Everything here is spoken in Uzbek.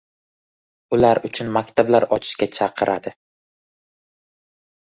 ular uchun maktablar ochishga chaqiradi.